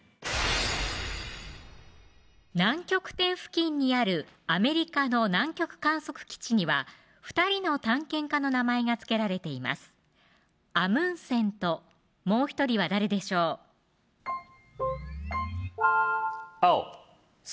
南極点付近にあるアメリカの南極観測基地には２人の探検家の名前が付けられていますアムンセンともう１人は誰でしょう青スコットそうスコット